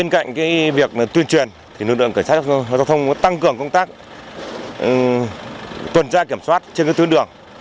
tăng cường công tác tuần tra kiểm soát trên các tuyến đường